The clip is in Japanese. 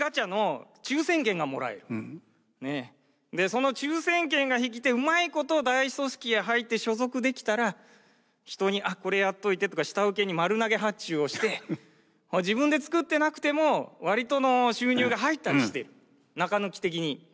その抽選券が引けてうまいこと大組織へ入って所属できたら人に「あっこれやっといて」とか下請けに丸投げ発注をして自分で作ってなくても割と収入が入ったりしている中抜き的に。